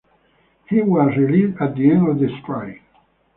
He was released at the end of the strike.